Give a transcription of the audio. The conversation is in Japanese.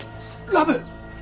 ラブ！